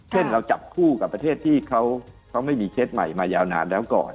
เช่นเราจับคู่กับประเทศที่เขาไม่มีเคสใหม่มายาวนานแล้วก่อน